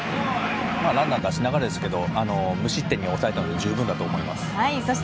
ランナー出しながらですが無失点に抑えたので十分だと思います。